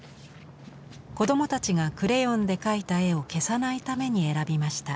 子供たちがクレヨンで描いた絵を消さないために選びました。